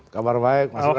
kabar baik mas raam